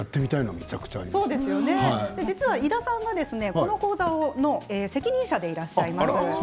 実は、井田さんはこの講座の責任者でいらっしゃいます。